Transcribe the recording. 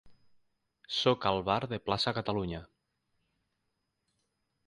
Soc al bar de Plaça Catalunya.